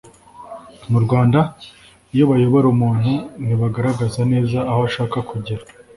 mu rwanda, iyo bayobora umuntu ntibagaragaza neza aho ashaka kugera